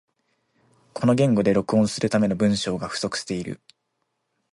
この言語で録音するための文章が不足している